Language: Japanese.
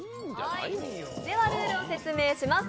では、ルールを説明します。